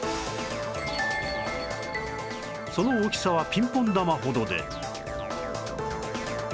その大きさはピンポン玉ほどで